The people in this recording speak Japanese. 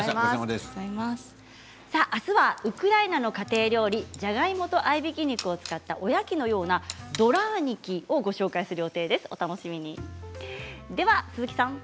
あすはウクライナの家庭料理じゃがいもと合いびき肉を使ったおやきのようなドラーニキをご紹介する予定です。